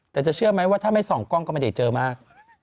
แต่จะเชื่อไหมว่าถ้าไม่ส่องกล้องก็ไม่ได้เจอมาก